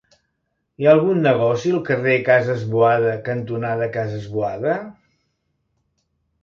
Hi ha algun negoci al carrer Cases Boada cantonada Cases Boada?